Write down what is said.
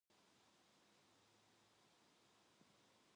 고요한 담 밑에는 아무것도 없었다.